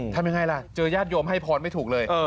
ทำยังไงล่ะเจอญาติโยมให้พรไม่ถูกเลย